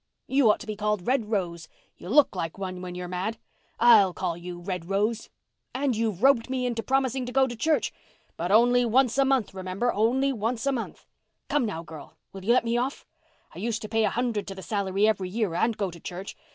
You ought to be called Red Rose—you look like one when you're mad. I'll call you Red Rose. And you've roped me into promising to go to church? But only once a month, remember—only once a month. Come now, girl, will you let me off? I used to pay a hundred to the salary every year and go to church.